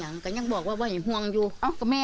น้ำห้องอยู่อีกลูกเนาะมากลับบ้าน